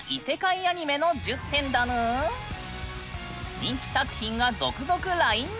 人気作品が続々ラインナップ！